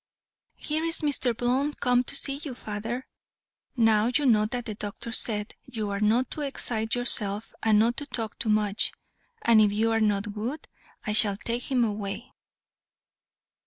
"Here is Mr. Blunt come to see you, father. Now you know what the doctor said; you are not to excite yourself, and not to talk too much, and if you are not good, I shall take him away."